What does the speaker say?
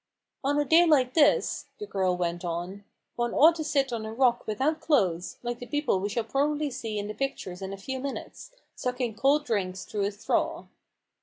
(i On a day like this/' the girl went on, 11 one ought to sit on a rock without clothes, like the people we shall probably see in the pictures in a few minutes, sucking cold drinks through a straw."